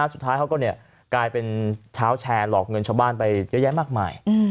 สุดท้ายเขาก็กลายเป็นเท้าแชร์หลอกเงินชาวบ้านไปเยอะแยะมากมาย